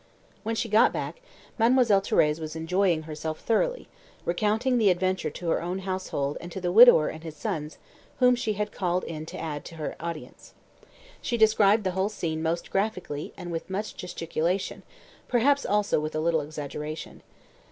When she got back, Mademoiselle Thérèse was enjoying herself thoroughly, recounting the adventure to her own household and to the widower and his sons whom she had called in to add to her audience. She described the whole scene most graphically and with much gesticulation, perhaps also with a little exaggeration.